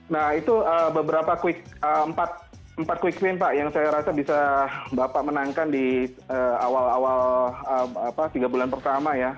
nah itu beberapa empat quick win pak yang saya rasa bisa bapak menangkan di awal awal tiga bulan pertama ya